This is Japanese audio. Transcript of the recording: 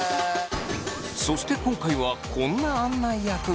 そして今回はこんな案内役が。